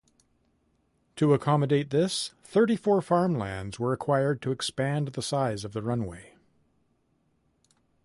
To accommodate this, thirty-four farmlands were acquired to expand the size of the runway.